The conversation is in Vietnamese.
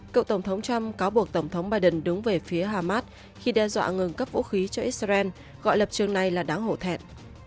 cựu tổng thống trump cáo buộc tổng thống biden đứng về phía hamas khi đe dọa ngừng cấp vũ khí cho israel gọi lập trường này là đáng hổ thẹt